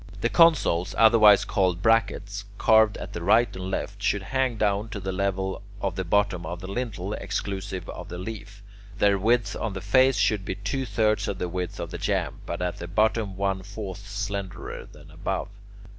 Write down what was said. The consoles, otherwise called brackets, carved at the right and left, should hang down to the level of the bottom of the lintel, exclusive of the leaf. Their width on the face should be two thirds of the width of the jamb, but at the bottom one fourth slenderer than above.